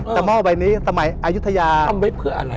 จะมอบไปนี้สมัยอายุทยาอำเวฟคืออะไร